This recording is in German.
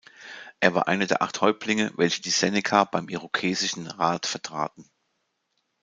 Er war einer der acht Häuptlinge, welche die Seneca beim irokesischen Rat vertraten.